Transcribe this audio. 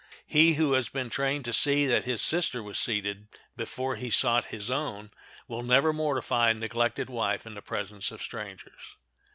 He who has been trained to see that his sister was seated before he sought his own will never mortify a neglected wife in the presence of strangers.